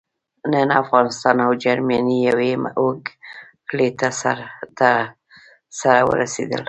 نن افغانستان او جرمني يوې هوکړې ته سره ورسېدل.